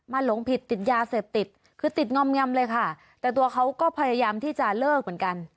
หลงผิดติดยาเสพติดคือติดงอมงำเลยค่ะแต่ตัวเขาก็พยายามที่จะเลิกเหมือนกัน